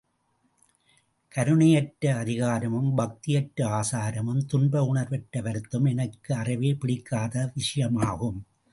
கருணையற்ற அதிகாரமும், பக்தியற்ற ஆசாரமும், துன்ப உணர்வற்ற வருத்தமும் எனக்கு அறவே பிடிக்காத விஷயமாகும்.